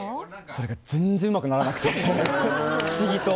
それが、全然うまくならなくて不思議と。